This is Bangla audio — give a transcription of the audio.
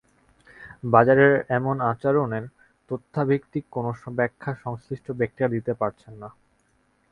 বাজারের এমন আচরণের তথ্যভিত্তিক কোনো ব্যাখ্যা সংশ্লিষ্ট ব্যক্তিরা দিতে পারছেন না।